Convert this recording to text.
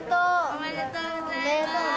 おめでとうございます。